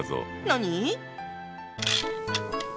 何？